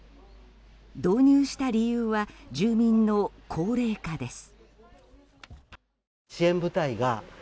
導入した理由は住民の高齢化です。